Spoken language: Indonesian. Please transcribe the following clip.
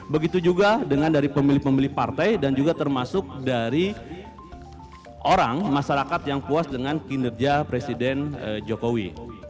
begitu juga dengan dari pemilih pemilih partai dan juga termasuk dari orang masyarakat yang puas dengan kinerja presiden jokowi